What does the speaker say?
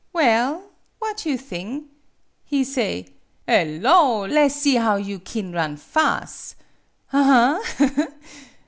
Well what you thing? He say ' 'Ello! Less see how you kin run fas'.' Aha, ha, ha!